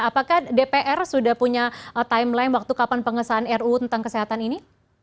apakah dpr sudah punya timeline waktu kapan pengesahan ruu tentang kesehatan ini